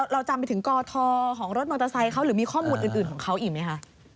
เราจำไปถึงกทของรถมอเตอร์ไซค์เขาหรือมีข้อมูลอื่นของเขาอีกไหมคะ